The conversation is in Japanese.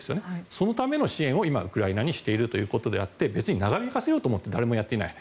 そのための支援を今ウクライナにしているのであって別に長引かせようと思って誰もやっていない。